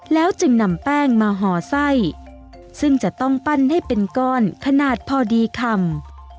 แล้วจึงนำแป้งมาห่อไส้ซึ่งจะต้องปั้นให้เป็นก้อนขนาดพอดีคำ